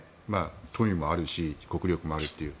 富もあるし国力もあるという。